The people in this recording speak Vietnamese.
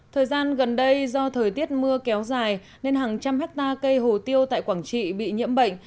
thời gian gần đây do thời tiết mưa kéo dài nên hàng trăm hectare cây hồ tiêu tại quảng trị bị nhiễm bệnh